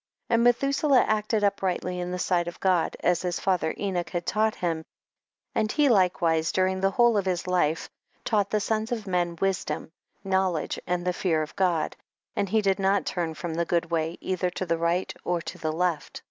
3. And Methuselah acted upright ly in the sight of God, as his father Enoch had taught him, and he like wise during the whole of his life taught the sons of men wisdom, knowledge and the fear of God, and he did not turn from the good way either to the right or to the left.